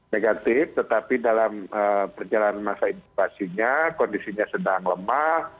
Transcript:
negatif tetapi dalam perjalanan masa inkubasinya kondisinya sedang lemah